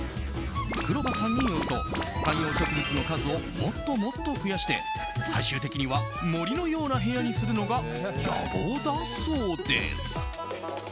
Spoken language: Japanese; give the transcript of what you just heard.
黒羽さんによると観葉植物の数をもっともっと増やして最終的には森のような部屋にするのが野望だそうです。